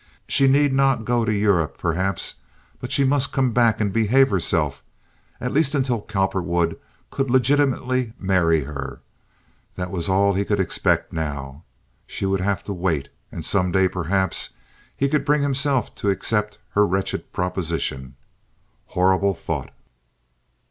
She need not go to Europe, perhaps, but she must come back and behave herself at least until Cowperwood could legitimately marry her. That was all he could expect now. She would have to wait, and some day perhaps he could bring himself to accept her wretched proposition. Horrible thought!